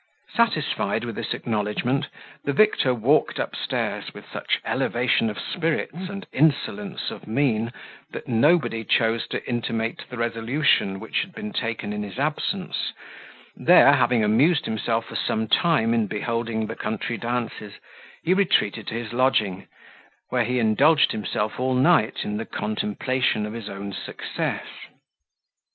Satisfied with this acknowledgment, the victor walked upstairs with such elevation of spirits and insolence of mien, that nobody chose to intimate the resolution, which had been taken in his absence; there, having amused himself for some time in beholding the country dances, he retreated to his lodging, where he indulged himself all night in the contemplation of his own success.